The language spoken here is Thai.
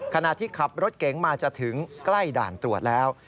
ขณะที่ขับรถเก๋งมาจะถึงใกล้ด่านตรวจแล้ว